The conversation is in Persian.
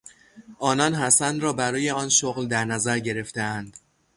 آنان حسن را برای آن شغل در نظر گرفته اند.